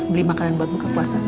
beli makanan buat buka puasa